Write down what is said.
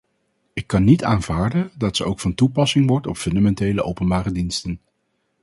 Ik kan niet aanvaarden dat ze ook van toepassing wordt op fundamentele openbare diensten.